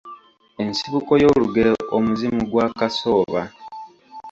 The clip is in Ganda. Ensibuko y’olugero Omuzimu gwa Kasooba